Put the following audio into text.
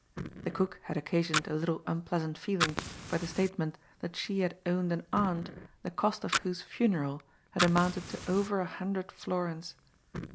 The cook had occa sioned a little unpleasant feeling by the statement that she had owned an aunt the cost of whose funeral had amounted to over a hundred fiorins.